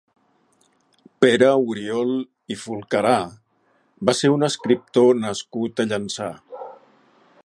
Pere Oriol i Fulcarà va ser un escriptor nascut a Llançà.